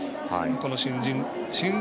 この新人。